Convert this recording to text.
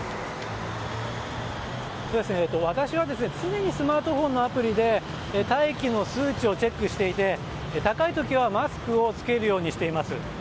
私は常にスマートフォンのアプリで大気の数値をチェックしていて高い時はマスクを着けるようにしています。